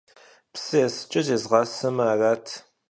Псы есыкӏэ зезгъэсамэ арат!